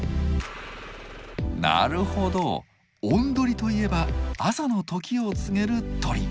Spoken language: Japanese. なるほどおんどりといえば朝のときを告げる鳥！